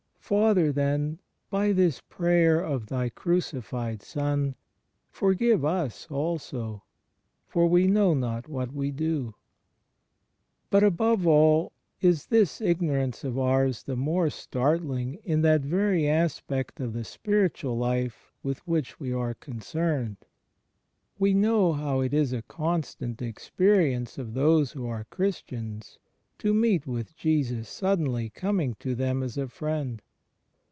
Father, then, by this prayer of Thy crucified Son, forgive us also; for we know not what we do. But, above all, is this ignorance of ours the more startling in that very aspect of the spiritual life with which we are concerned. We know how it is a constant experience of those who are Christians to meet with Jesus suddenly coming to them as a Friend.